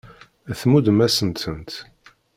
Tmuddem-asen-tent.